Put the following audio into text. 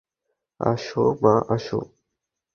আসো মা, আসো।